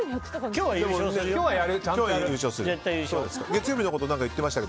今日は優勝するよ。